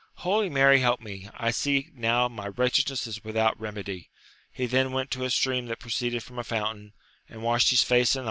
Holy Mary help me ! I see now my wretchedness is without remedy. He then went to a stream that proceeded from a fountain, and washed his face and.